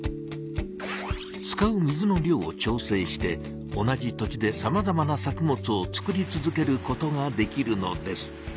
使う水の量を調整して同じ土地でさまざまな作物を作り続けることができるのです。